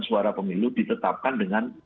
suara pemilu ditetapkan dengan